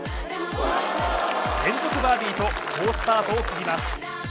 連続バーディーと好スタートを切ります。